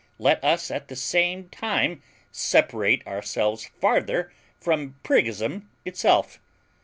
Let us at the same time separate ourselves farther from priggism itself.